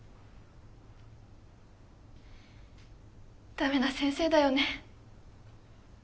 ダメな先生だよね。